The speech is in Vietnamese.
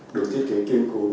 được thiết kế kiên cố